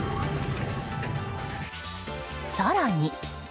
更に。